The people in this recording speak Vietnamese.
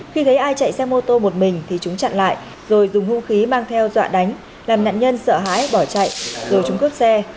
khi thấy ai chạy xe mô tô một mình thì chúng chặn lại rồi dùng hung khí mang theo dọa đánh làm nạn nhân sợ hãi bỏ chạy rồi chúng cướp xe